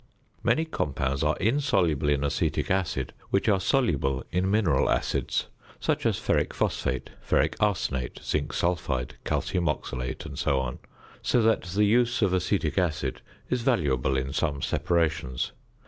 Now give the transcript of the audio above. Many compounds are insoluble in acetic acid, which are soluble in mineral acids, such as ferric phosphate, ferric arsenate, zinc sulphide, calcium oxalate, &c., so that the use of acetic acid is valuable in some separations.